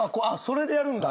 それでやるんだ。